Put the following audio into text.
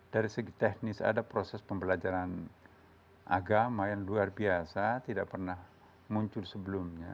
dari segi teknis ada proses pembelajaran agama yang luar biasa tidak pernah muncul sebelumnya